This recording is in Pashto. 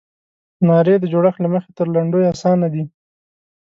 نارې د جوړښت له مخې تر لنډیو اسانه دي.